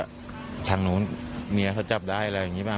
ไม่ก็ถามหนูเมียเค้าแจ่บได้อะไรอย่างนี้มา